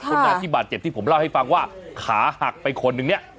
คนไหนที่บาดเจ็บที่ผมเล่าให้ฟังว่าขาหักไปคนนึงเนี่ย